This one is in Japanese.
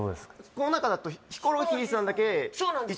この中だとヒコロヒーさんだけそうなんですよ